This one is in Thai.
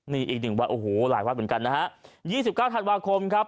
นี่อีกหนึ่งวัดโอ้โหหลายวัดเหมือนกันนะฮะ๒๙ธันวาคมครับ